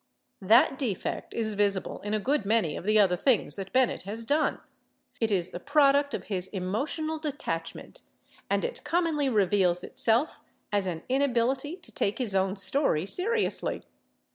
That defect is visible in a good many of the other things that Bennett has done. It is the product of his emotional detachment and it commonly reveals itself as an inability to take his own story seriously.